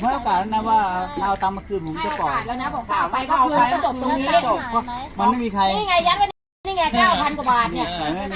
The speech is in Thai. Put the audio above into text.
เราไม่รู้ถ้ารู้เรายังไม่ได้มา